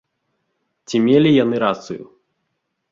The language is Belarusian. Ці мелі яны рацыю?